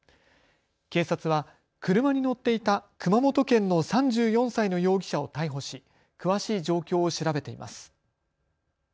警察は車に乗っていた熊本県の３４歳の容疑者を逮捕し詳しい状況を調べています。